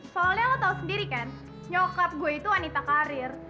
soalnya lo tahu sendiri kan nyokap gue itu wanita karir